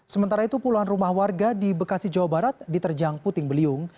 sementara itu puluhan rumah warga di bekasi jawa barat diterjang puting beliung